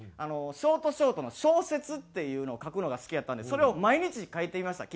ショートショートの小説っていうのを書くのが好きやったんでそれを毎日書いていました